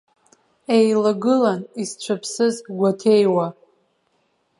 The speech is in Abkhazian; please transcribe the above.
Еилагылан исцәыԥсыз гәаҭеиуа.